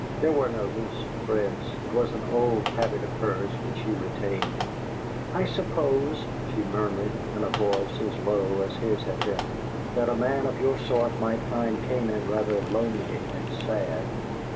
There were no loose threads; it was an old habit of hers which she retained. "I suppose," she murmured, in a voice as low as his had been, "that a man of your sort might find Canaan rather lonely and sad."